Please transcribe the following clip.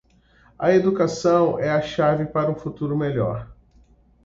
A educação é a chave para um futuro melhor.